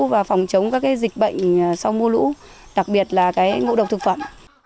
và phòng chống các dịch bệnh sau mưa lũ đặc biệt là ngũ độc thực phẩm